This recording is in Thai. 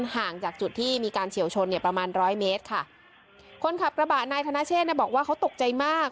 ห่างจากจุดที่มีการเฉียวชนเนี่ยประมาณร้อยเมตรค่ะคนขับกระบะนายธนเชษเนี่ยบอกว่าเขาตกใจมาก